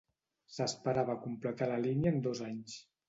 S'esperava completar la línia en dos anys.